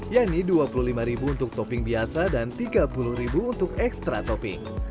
yakni rp dua puluh lima untuk topping biasa dan rp tiga puluh untuk ekstra topping